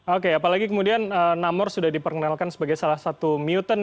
oke apalagi kemudian namor sudah diperkenalkan sebagai salah satu muten